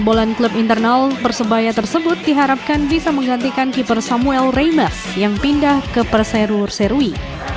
dalam latihan ini pemain hanya berlatih ringan dan mengembalikan kondisi fisik untuk bersiapkan pernikahan di papua